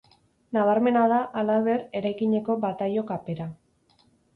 Nabarmena da, halaber, eraikineko bataio-kapera.